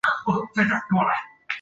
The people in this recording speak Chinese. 他们使用了重叠的窗口。